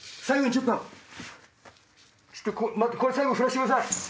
ちょっとこれ最後に振らしてください。